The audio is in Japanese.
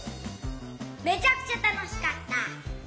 めちゃくちゃたのしかった！